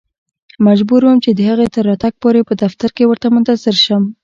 مجبور وم چې د هغې تر راتګ پورې په دفتر کې ورته منتظر شم.